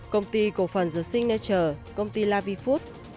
công ty cổ phần the signature công ty la vivitria